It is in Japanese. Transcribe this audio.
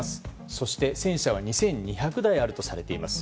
そして戦車は２２００台あるとされています。